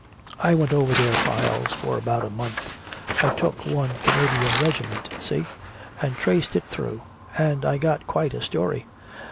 I went over their files for about a month. I took one Canadian regiment see? and traced it through, and I got quite a story.